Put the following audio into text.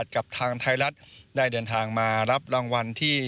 กับทางไทยรัฐได้เดินทางมารับรางวัลที่